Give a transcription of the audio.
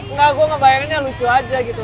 enggak gue ngebayanginnya lucu aja gitu